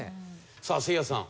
さあせいやさん。